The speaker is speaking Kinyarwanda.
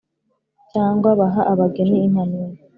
cyangwa baha abageni impanuro